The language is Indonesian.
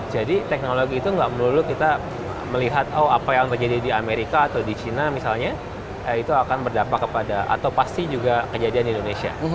jadi teknologi itu tidak melulu kita melihat oh apa yang terjadi di amerika atau di china misalnya itu akan berdampak kepada atau pasti juga kejadian di indonesia